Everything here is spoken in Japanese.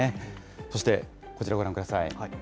そしてこちらご覧ください。